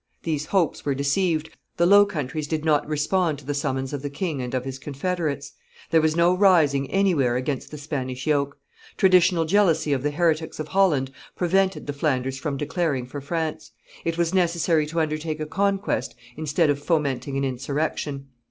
These hopes were deceived; the Low Countries did not respond to the summons of the king and of his confederates; there was no rising anywhere against the Spanish yoke; traditional jealousy of the heretics of Holland prevented the Flanders from declaring for France; it was necessary to undertake a conquest instead of fomenting an insurrection.